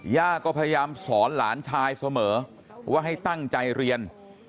ย่าก็พยายามสอนหลานชายเสมอว่าให้ตั้งใจเรียน